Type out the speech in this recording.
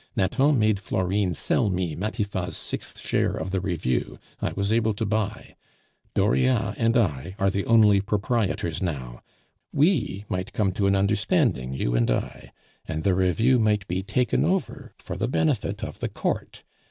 Nathan made Florine sell me Matifat's sixth share of the review, I was able to buy; Dauriat and I are the only proprietors now; we might come to an understanding, you and I, and the review might be taken over for the benefit of the Court.